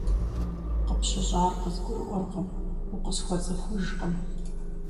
КъыпщыщӀар къызгурыӀуэркъым, укъысхуэцӀыхужкъым.